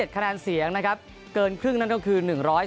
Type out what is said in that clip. คะแนนเสียงนะครับเกินครึ่งนั่นก็คือ๑๔